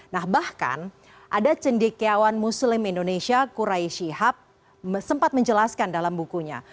nah bahkan ada cendekiawan muslim indonesia kurayi shihab sempat menjelaskan dalam bukunya